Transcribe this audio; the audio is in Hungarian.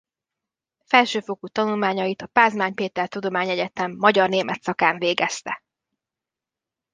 Felsőfokú tanulmányait a Pázmány Péter Tudományegyetem magyar–német szakán végezte.